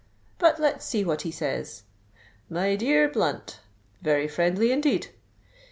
But let's see what he says. 'My dear Blunt.' Very friendly indeed!